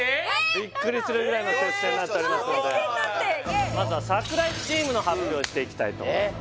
ビックリするぐらいの接戦になっておりますのでまずは櫻井チームの発表をしていきたいと思います